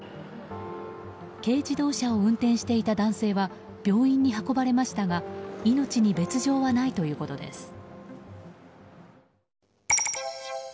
軽自動車を運転していた男性は病院に運ばれましたが命に別条はないということです。